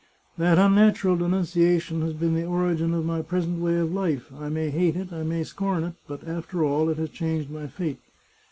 " That unnatural denunciation has been the origfin of my present way of life. I may hate it, I may scorn it, but, after all, it has changed my fate.